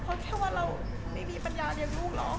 เพราะแค่ว่าเราไม่มีปัญญาเลี้ยงลูกเหรอ